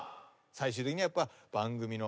最終的にはやっぱ。